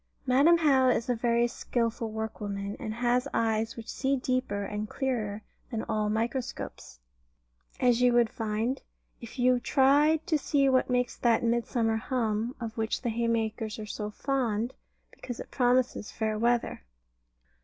Madam How is a very skilful workwoman, and has eyes which see deeper and clearer than all microscopes; as you would find, if you tried to see what makes that "Midsummer hum" of which the haymakers are so fond, because it promises fair weather.